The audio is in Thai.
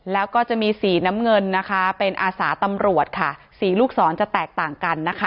แล้วก็จะมีสีน้ำเงินนะคะเป็นอาสาตำรวจค่ะสีลูกศรจะแตกต่างกันนะคะ